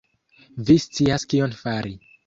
Vi scias kion fari